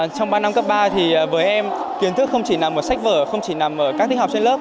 trong ba năm cấp ba thì với em kiến thức không chỉ nằm ở sách vở không chỉ nằm ở các thiết học trên lớp